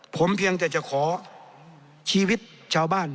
ผมเพียงแต่จะขอชีวิตชาวบ้าน